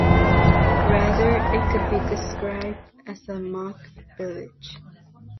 Rather, it could be described as a "mock village".